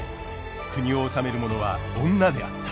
国を治める者は女であった。